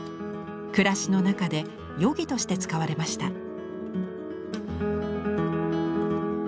暮らしの中で夜着として使われました。